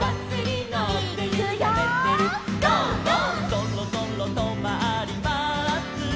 「そろそろとまります」